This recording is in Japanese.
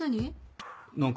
何？